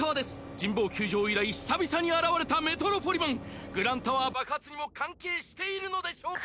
神保球場以来久々に現れたメトロポリマングランタワー爆発にも関係しているのでしょうか